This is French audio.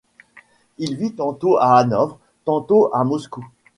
Il vit tantôt à Hanovre, tantôt à Moscou.